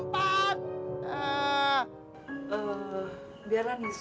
tuhan lo gue kemahin gue kagak mempat